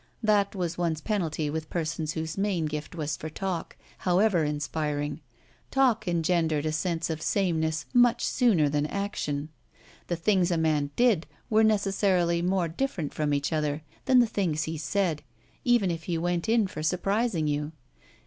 That was one's penalty with persons whose main gift was for talk, however inspiring; talk engendered a sense of sameness much sooner than action. The things a man did were necessarily more different from each other than the things he said, even if he went in for surprising you.